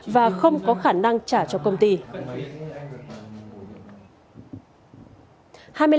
và không có khả năng trả cho công ty